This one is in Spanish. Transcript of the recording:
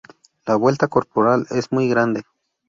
La vuelta corporal es muy grande.